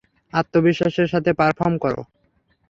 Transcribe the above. আত্মবিশ্বাসের সাথে পারফর্ম করো!